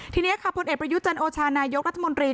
ทีนี้ค่ะพลเอกประยุจันโอชานายกรัฐมนตรี